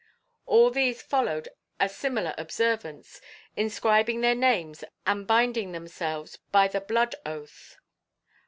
All these followed a similar observance, inscribing their names and binding themselves by the Blood Oath.